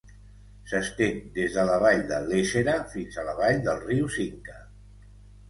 S'estén des de la vall de l'Éssera fins a la vall del riu Cinca.